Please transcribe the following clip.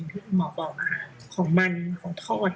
คุณหมอบอกว่าของมันของทอด